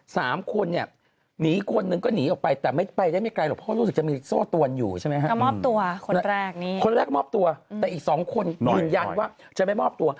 สามคนหนีคนนึงก็หนีออกไปแต่ไปจะไม่ไกลหรอก